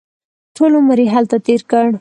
ټول عمر یې هلته تېر کړ.